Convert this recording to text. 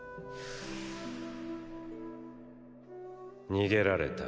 逃げられた。